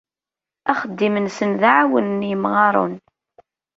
Axeddim-nsen d aɛawen n yemɣaren.